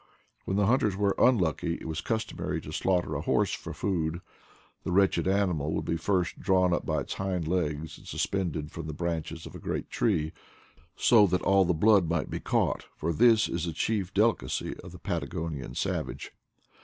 When the hunters were unlucky it was customary to slaughter a /horse for food. The wretched animal would be [\first drawn up by its hind legs and suspended j from the branches of a great tree, so that all the blood might be caught, for this is the chief deli eacy of the Patagonian savage.